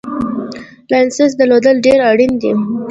لایسنس درلودل ډېر اړین دي